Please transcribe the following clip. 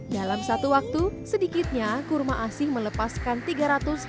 dalam satu waktu sedikitnya kurma asih melepaskan tiga ratus